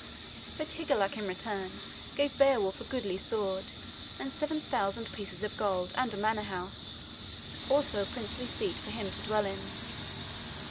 But Higelac in return gave Beowulf a goodly sword and seven thousand pieces of gold and a manor house, also a princely seat for him to dwell in.